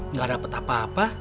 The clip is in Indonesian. nggak dapet apa apa